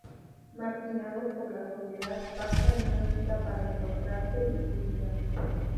Marginados por la sociedad, pactan una cita para encontrarse y suicidarse.